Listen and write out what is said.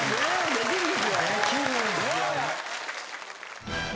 できるんですよ。